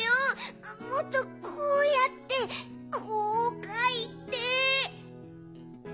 もっとこうやってこうかいて。